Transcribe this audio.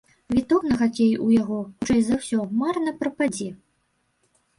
Квіток на хакей у яго, хутчэй за ўсё, марна прападзе.